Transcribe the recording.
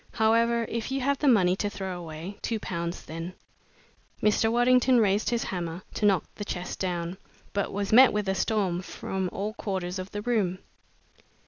"However, if you have the money to throw away two pounds, then." Mr. Waddington raised his hammer to knock the chest down, but was met with a storm from all quarters of the room.